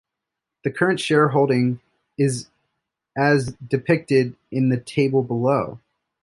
The current shareholding is as depicted in the table below.